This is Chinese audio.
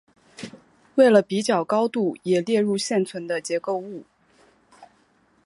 为了比较高度也列入现存的结构物。